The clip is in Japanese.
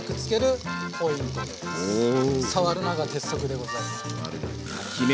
「触るな」が鉄則でございます。